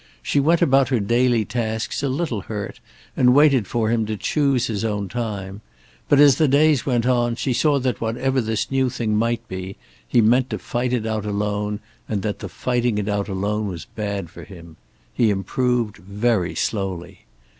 She went about her daily tasks a little hurt, and waited for him to choose his own time. But, as the days went on, she saw that whatever this new thing might be, he meant to fight it out alone, and that the fighting it out alone was bad for him. He improved very slowly.